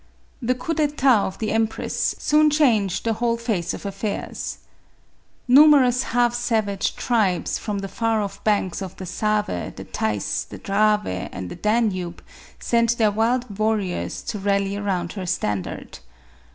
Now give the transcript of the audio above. The coup cTetat of the empress soon changed the 196 MARIA THERESA. whole face of affairs. Numerous half savage tribes, from the far off banks of the Save, the Teiss, the Drave and the Danube, sent their wild warriors to rally around her standard.